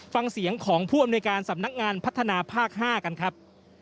ฟังเสียงของผู้อำนวยการสำนักงานพัฒนาภาค๕กันครับ